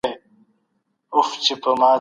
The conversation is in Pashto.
ورته ومي ويل، چي اې د الله تعالی رسوله!